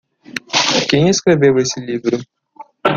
Quem escreveu esse livro?